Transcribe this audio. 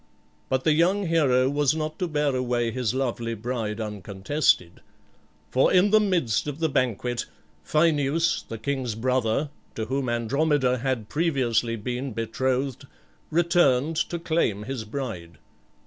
But the young hero was not to bear away his lovely bride uncontested; for in the midst of the banquet, Phineus, the king's brother, to whom Andromeda had previously been betrothed, returned to claim his bride.